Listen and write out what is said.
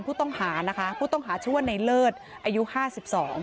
ผู้ต้องหานะคะผู้ต้องหาชื่อว่าในเลิศอายุห้าสิบสอง